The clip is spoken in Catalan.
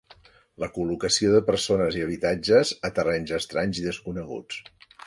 La col·locació de persones i habitatges a terrenys estranys i desconeguts.